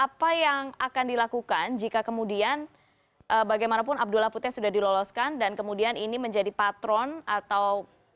apa yang akan dilakukan jika kemudian bagaimanapun abdullah putih sudah diloloskan dan kemudian ini menjadi patron atau